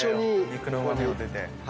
肉のうま味も出て。